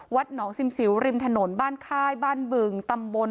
หนองซิมสิวริมถนนบ้านค่ายบ้านบึงตำบล